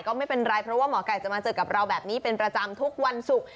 ก็ไม่เป็นไรเพราะว่าหมอไก่จะมาเจอกับเราแบบนี้เป็นประจำทุกวันศุกร์